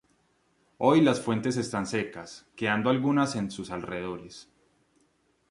Hoy las fuentes están secas, quedando algunas en sus alrededores.